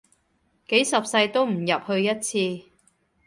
幾十世都唔入去一次